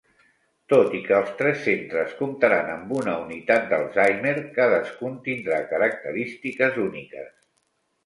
Tot i que els tres centres comptaran amb una unitat d'Alzheimer, cadascun tindrà característiques úniques.